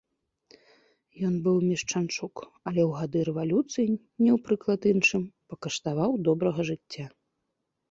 Ён быў мешчанчук, але ў гады рэвалюцыі, не ў прыклад іншым, пакаштаваў добрага жыцця.